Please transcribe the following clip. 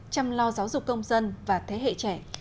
chăm lo giáo dục công dân và thế hệ trẻ